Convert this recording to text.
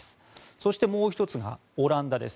そして、もう１つがオランダです。